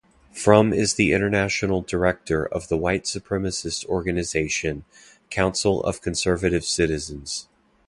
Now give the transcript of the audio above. Fromm is the international director of the white supremacist organization Council of Conservative Citizens.